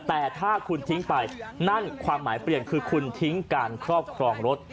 แต่ถ้าคุณทิ้งไปนั่นความหมายเปลี่ยนคือคุณทิ้งการครอบครองรถ